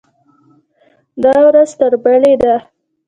دا ورځ تر بلې ده.